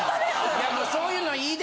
いやもうそういうのいいで。